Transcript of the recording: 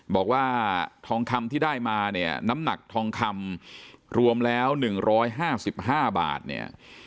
บอกว่าทองคำที่ได้มาเนี่ยน้ำหนักทองคำรวมแล้วหนึ่งร้อยห้าสิบห้าบาทเนี่ย